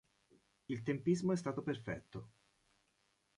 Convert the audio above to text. Il tempismo è stato perfetto.